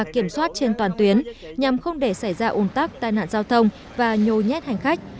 kiểm soát trên toàn tuyến nhằm không để xảy ra ủn tắc tai nạn giao thông và nhồi nhét hành khách